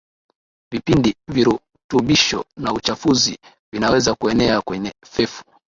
Vipindi virutubisho na uchafuzi vinaweza kuenea kwenye fefu